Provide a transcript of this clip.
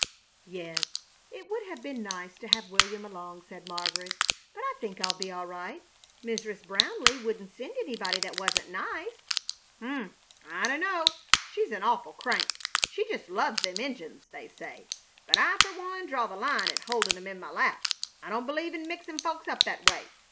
"Yes, it would have been nice to have William along," said Margaret; "but I think I'll be all right. Mrs. Brownleigh wouldn't send anybody that wasn't nice." "H'm! I dun'no'! She's an awful crank. She just loves them Injuns, they say. But I, fer one, draw the line at holdin' 'em in my lap. I don't b'lieve in mixin' folks up that way.